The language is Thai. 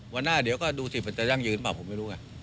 หน้าเดี๋ยวก็ดูสิมันจะยั่งยืนเปล่าผมไม่รู้ไง